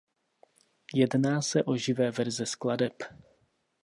Jedná se o živé verze skladeb.